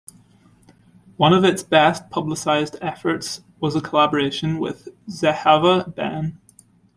One of its best-publicized efforts was a collaboration with Zehava Ben.